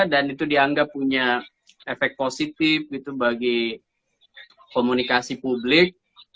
dan itu dianggap punya efek positif gitu bagi komunikasi publik